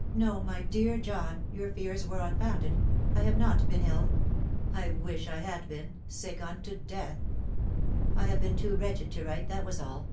" No, my dear John, your fears were unfounded, I have not been ill. I wish I had been sick unto death ! I have been too wretched to write, that was all.